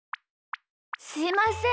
すいません。